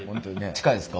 近いですか？